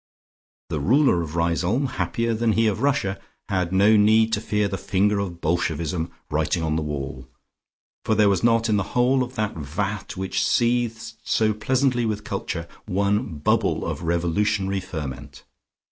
The ruler of Riseholme, happier than he of Russia, had no need to fear the finger of Bolshevism writing on the wall, for there was not in the whole of that vat which seethed so pleasantly with culture, one bubble of revolutionary ferment.